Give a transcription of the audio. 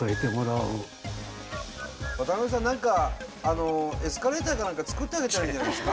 渡辺さん、なんかエスカレーターかなんか作ってあげたらいいんじゃないですか？